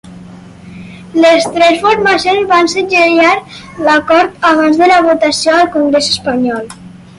Les tres formacions van segellar l’acord abans de la votació al congrés espanyol.